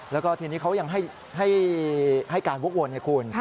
แล้วก็ทีนี้เขายังให้การวกวนไงคุณ